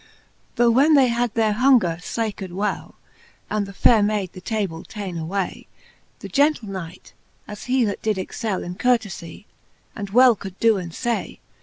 Tho when they had their hunger flaked well, And the fayre mayd the table ta'ne away. The gentle Knight, as he, that did excell In courtefie, and well could doe and fay.